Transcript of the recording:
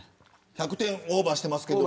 １００点オーバーしてますけど。